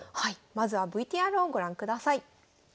まずはＶＴＲをご覧ください。